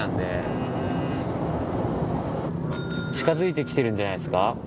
近づいてきてるんじゃないですか？